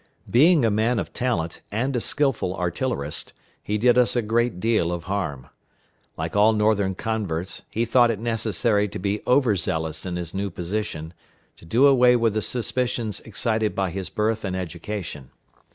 Being a man of talent, and a skillful artillerist, he did us a great deal of harm. Like all Northern converts, he thought it necessary to be overzealous in his new position, to do away with the suspicions excited by his birth and education.